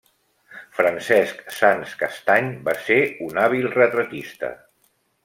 Francesc Sans Castany va ser un hàbil retratista.